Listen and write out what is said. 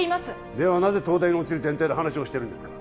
ではなぜ東大に落ちる前提で話をしているんですか？